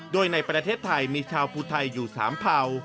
โดยในประเทศไทยมีชาวภูไทยอยู่๓เผ่า